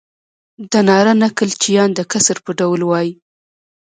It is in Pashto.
دا ناره نکل چیان د کسر پر ډول وایي.